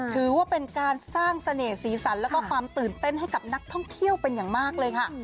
ถือว่าเป็นการสร้างเสน่ห์สีสันแล้วก็ความตื่นเต้นให้กับนักท่องเที่ยวเป็นอย่างมากเลยค่ะ